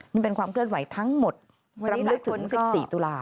นี่เป็นความเคลื่อนไหวทั้งหมดรำลึกถึง๑๔ตุลาค